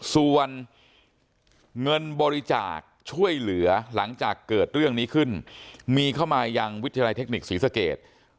ส่วนเงินบริจาคช่วยเหลือหลังจากเกิดเรื่องนี้ขึ้นมีเข้ามายังวิทยาลัยเทคนิคศรีสเกต